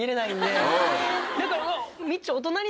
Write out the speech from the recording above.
だから。